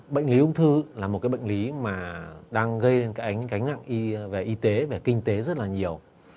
bệnh lý ung thư là một bệnh lý đang gây ánh ngạc về y tế và kinh tế rất nhiều